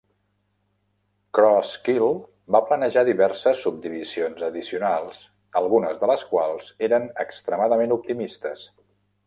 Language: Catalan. Crosskill va planejar diverses subdivisions addicionals, algunes de les quals eren extremadament optimistes.